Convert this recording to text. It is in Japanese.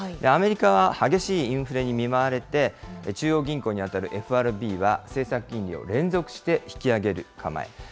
アメリカは激しいインフレに見舞われて、中央銀行に当たるＦＲＢは政策金利を連続して引き上げる構え。